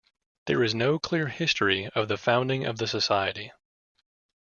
There is no clear history of the founding of the society.